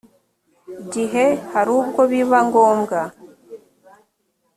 gihe hari ubwo biba ngombwa